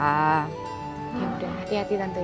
yaudah hati hati tante ya